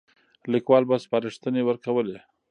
ليکوال به سپارښتنې ورکولې.